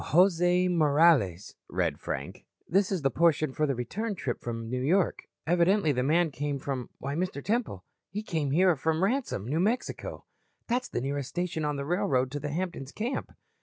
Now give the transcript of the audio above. "Jose Morales," read Frank. "This is the portion for the return trip from New York. Evidently the man came from why, Mr. Temple, he came here from Ransome, New Mexico. That's the nearest station on the railroad to the Hampton's camp."